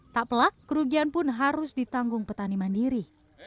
tak pelak kerugian pun harus ditanggung petani mandiri